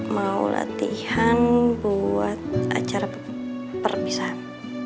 mau latihan buat acara perpisahan